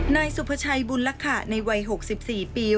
นายสุภาชัยบุญลักษะในวัย๖๔ปี